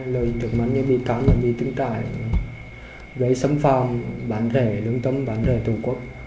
lời trực mắt như bị cám bị tưng cãi gây xâm phạm bán rể lương tâm bán rể tù quốc